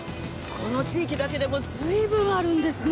この地域だけでも随分あるんですね。